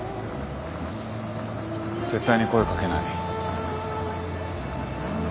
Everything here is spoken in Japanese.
絶対に声掛けない。